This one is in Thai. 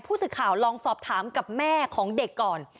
ผู้สื่อข่าวลองสอบถามกับแม่ของเด็กก่อน